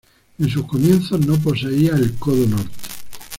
En sus comienzos no poseía el codo norte.